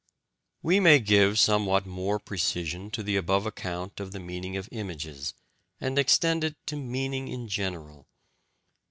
We may give somewhat more precision to the above account of the meaning of images, and extend it to meaning in general.